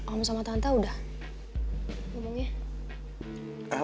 om sama tante udah ngomongnya